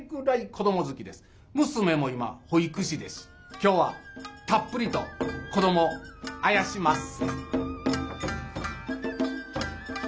今日はたっぷりと子どもあやしまっせ。